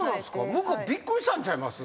向こうびっくりしたんちゃいます？